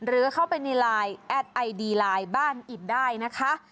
หรือเข้าไปในไลน์แอดไอดีไลน์บ้านอิดได้นะคะ